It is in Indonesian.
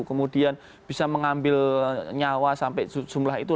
kemudian bisa mengambil nyawa sampai jumlah itu